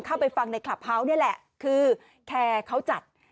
เข้าไปฟังในคลับเฮาส์นี่แหละคือแคร์เขาจัด